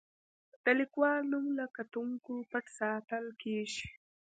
د لیکوال نوم له کتونکو پټ ساتل کیږي.